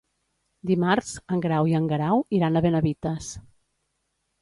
Dimarts en Grau i en Guerau iran a Benavites.